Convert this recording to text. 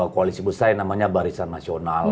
koalisi besar yang namanya barisan nasional